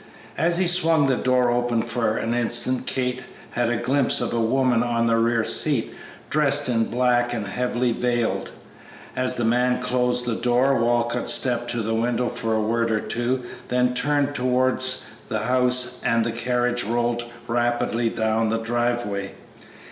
As he swung the door open for an instant Kate had a glimpse of a woman on the rear seat, dressed in black and heavily veiled. As the man closed the door Walcott stepped to the window for a word or two, then turned towards the house, and the carriage rolled rapidly down the driveway.